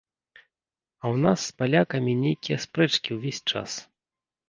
А ў нас з палякамі нейкія спрэчкі ўвесь час.